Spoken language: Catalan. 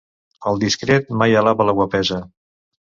El discret mai alaba la guapesa.